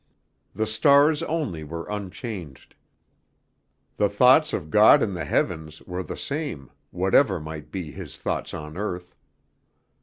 The stars only were unchanged. "The thoughts of God in the heavens" were the same, whatever might be His thought on earth.